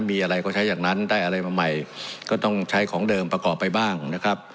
มีอะไรก็ใช้อย่างนั้นได้อะไรมาใหม่ก็ต้องใช้ของเดิมประกอบไปบ้างนะครับ